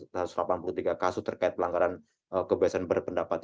tidak ada yang mengatakan bahwa ini adalah hal yang terjadi karena kebiasaan berpendapat